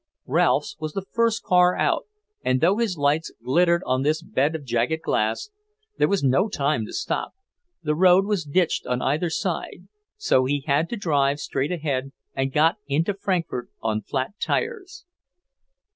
Ralph's was the first car out, and though his lights glittered on this bed of jagged glass, there was no time to stop; the road was ditched on either side, so he had to drive straight ahead, and got into Frankfort on flat tires.